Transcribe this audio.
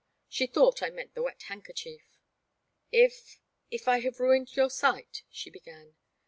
She thought I meant the wet handkerchief. If— if I have ruined your sight ": 6he began.